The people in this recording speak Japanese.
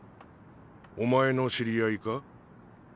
お前の知り合いか？